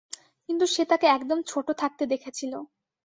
কিন্তু সে তাকে একদম ছোট থাকতে দেখেছিল।